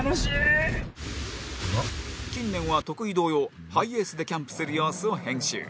近年は徳井同様ハイエースでキャンプする様子を編集